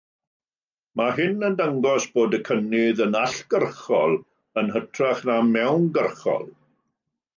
Mae hyn yn dangos bod y cynnydd yn allgyrchol yn hytrach na mewngyrchol.